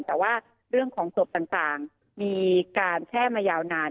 แต่ว่าเรื่องของศพต่างมีการแพร่มายาวนาน